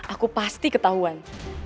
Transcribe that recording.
aku pasti ketahuan